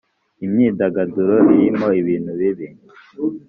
imyidagaduro irimo ibintu bibi